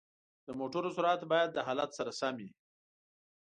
د موټرو سرعت باید د حالت سره سم وي.